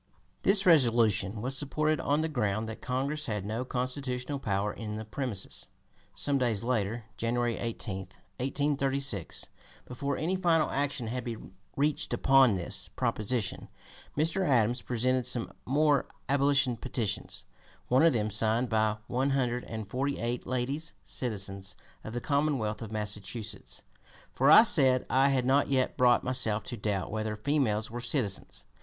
This resolution was supported on the ground that (p. 249) Congress had no constitutional power in the premises. Some days later, January 18, 1836, before any final action had been reached upon this proposition, Mr. Adams presented some more abolition petitions, one of them signed by "one hundred and forty eight ladies, citizens of the Commonwealth of Massachusetts; for, I said, I had not yet brought myself to doubt whether females were citizens."